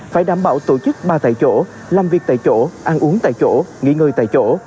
phải đảm bảo tổ chức ba tại chỗ làm việc tại chỗ ăn uống tại chỗ nghỉ ngơi tại chỗ